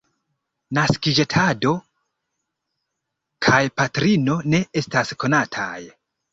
Naskiĝdato kaj patrino ne estas konataj.